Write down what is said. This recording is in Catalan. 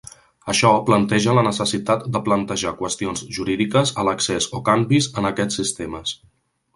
Això planteja la necessitat de plantejar qüestions jurídiques a l'accés o canvis en aquests sistemes.